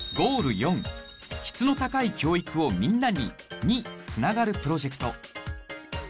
４「質の高い教育をみんなに」につながるプロジェクト。